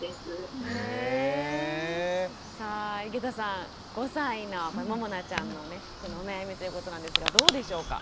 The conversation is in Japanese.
さあ井桁さん５歳のももなちゃんの服のお悩みということなんですがどうでしょうか？